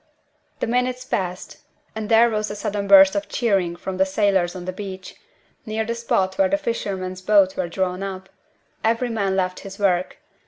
The minutes passed, and there rose a sudden burst of cheering from the sailors on the beach, near the spot where the fishermen's boats were drawn up. Every man left his work.